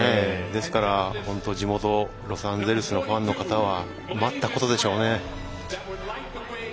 ですから、本当地元ロサンゼルスのファンの方は待ったことでしょうね。